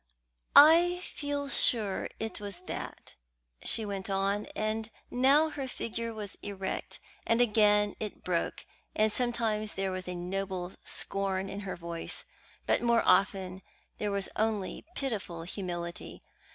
"I feel sure it was that," she went on; and now her figure was erect, and again it broke, and sometimes there was a noble scorn in her voice, but more often there was only pitiful humility.